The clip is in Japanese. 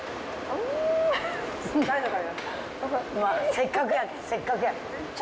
せっかくやせっかくや。